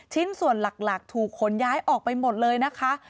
ชิ้นส่วนหลักถูกขนย้ายออกไปหมดเลยนะคะ